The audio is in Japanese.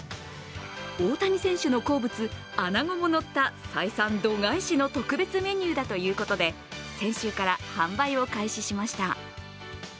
大谷選手の好物、アナゴものった採算度外視の特別メニューだということで先週から販売を開始しました。